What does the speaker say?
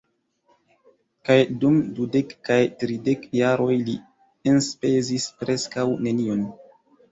Kaj, dum dudek kaj tridek jaroj, li enspezis preskaŭ nenion.